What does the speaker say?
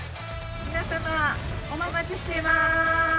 皆様、お待ちしてまーす。